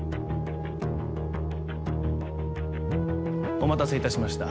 お待たせいたしました